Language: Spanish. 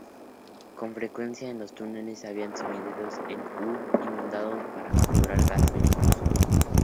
Con frecuencia en los túneles habían sumideros en U inundados para capturar gas venenoso.